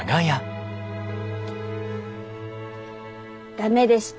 駄目でした。